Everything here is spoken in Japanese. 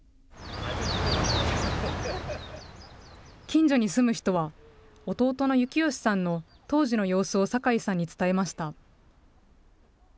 近所に住む人は、弟の幸義さんの当時の様子を酒井さんに伝えました。